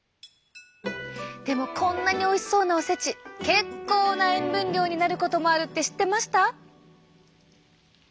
でもこんなにおいしそうなおせち結構な塩分量になることもあるって知ってました？